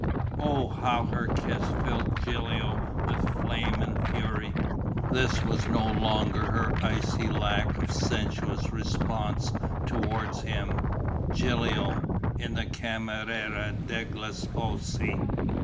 Oh, how her kiss filled Gilio with flame and fury! This was no longer her icy lack of sensuous response towards him, Gilio, in the camera degli sposi.